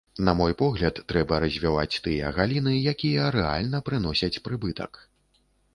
На мой погляд трэба развіваць тыя галіны, якія рэальна прыносяць прыбытак.